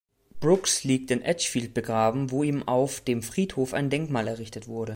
Brooks liegt in Edgefield begraben, wo ihm auf dem Friedhof ein Denkmal errichtet wurde.